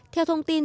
theo thông tin